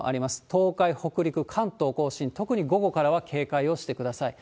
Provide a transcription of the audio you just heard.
東海、北陸、関東甲信、特に午後からは警戒をしてください。